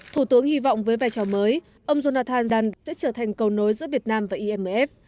thủ tướng hy vọng với vai trò mới ông jonathanzan sẽ trở thành cầu nối giữa việt nam và imf